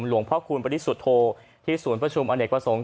หลวงพ่อคูณปริสุทธโธที่ศูนย์ประชุมอเนกประสงค์